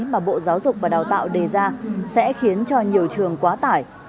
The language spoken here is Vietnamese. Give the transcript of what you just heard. mà bộ giáo dục và đào tạo đề ra sẽ khiến cho nhiều trường quá tải